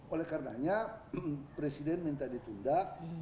oleh karenanya presiden minta ditunda